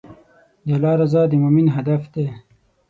د الله رضا د مؤمن هدف دی.